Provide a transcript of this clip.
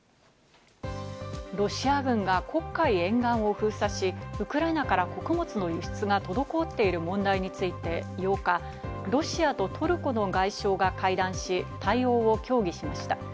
ロシア軍が黒海沿岸を封鎖し、ウクライナから穀物の輸出が滞っている問題について、８日、ロシアとトルコの外相が会談し、対応を協議しました。